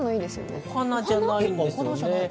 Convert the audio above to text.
お花じゃないんですよね。